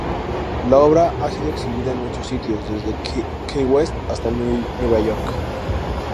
La obra ha sido exhibida en muchos sitios, desde Key West hasta Nueva York.